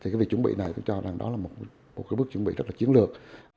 cái việc chuẩn bị này tôi cho rằng đó là một bước chuẩn bị rất là chiến lược